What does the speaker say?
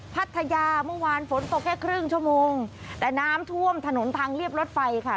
พัทยาเมื่อวานฝนตกแค่ครึ่งชั่วโมงแต่น้ำท่วมถนนทางเรียบรถไฟค่ะ